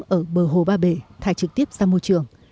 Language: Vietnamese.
ở bờ hồ ba bể thải trực tiếp ra môi trường